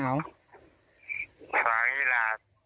ฝากอย่างนี้ล่ะ